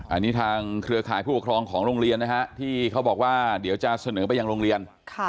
อันนี้ทางเครือข่ายผู้ปกครองของโรงเรียนนะฮะที่เขาบอกว่าเดี๋ยวจะเสนอไปยังโรงเรียน